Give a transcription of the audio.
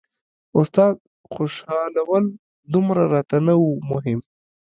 استاد خوشحالول دومره راته نه وو مهم.